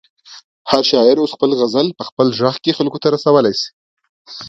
هر شاعر اوس خپل غزل په خپل غږ کې خلکو ته رسولی شي.